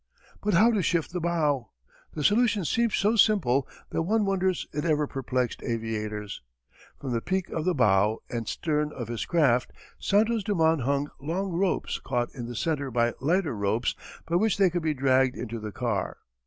But how to shift the bow? The solution seems so simple that one wonders it ever perplexed aviators. From the peak of the bow and stern of his craft Santos Dumont hung long ropes caught in the centre by lighter ropes by which they could be dragged into the car.